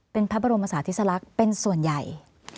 เป็นพระบรมศาสตร์ที่สลักเป็นส่วนใหญ่